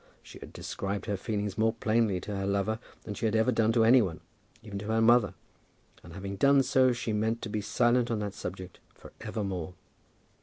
She had described her feelings more plainly to her lover than she had ever done to any one, even to her mother; and having done so she meant to be silent on that subject for evermore.